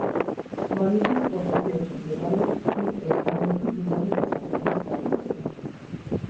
მანუსის პროვინციაში მდებარეობს სულ ერთადერთი იმავე დასახელების რაიონი.